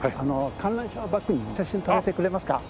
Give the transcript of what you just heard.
観覧車をバックに写真撮らせてくれますか？